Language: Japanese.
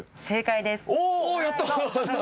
正解です。